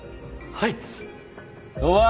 はい。